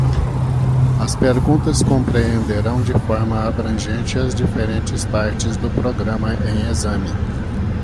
As perguntas compreenderão de forma abrangente as diferentes partes do programa em exame.